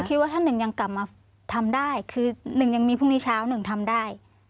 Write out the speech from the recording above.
ว่าท่านหนึ่งยังกลับมาทำได้คือหนึ่งยังมีพรุ่งนี้เช้าหนึ่งทำได้